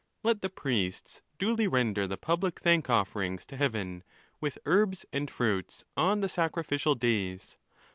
—Let the priests duly render the public thank offerings to heaven, with herbs and fruits, on the sacrificial days.